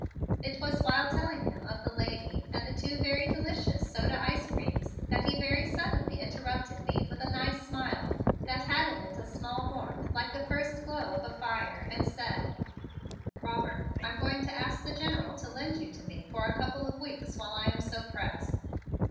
It was while telling him of the lady and the two very delicious soda ice creams that he very suddenly interrupted me with a nice smile that had in it a small warmth like the first glow of a fire, and said: "Robert, I'm going to ask the General to lend you to me for a couple of weeks while I am so pressed.